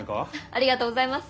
ありがとうございます。